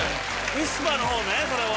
ウィスパーの方ねそれは。